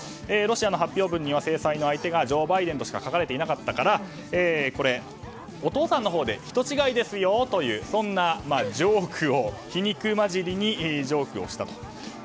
ロシアの発表文には制裁の相手がジョー・バイデンとしか書かれていなかったからこれ、お父さんのほうで人違いですよというそんな皮肉交じりにジョークをしたと。